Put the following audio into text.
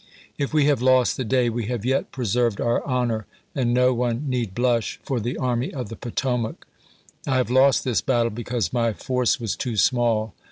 If we have lost the day, we have yet preserved our honor, and no one need blush for the Army of the Potomac. I have lost this battle because my force was too small.